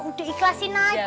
udah ikhlasin aja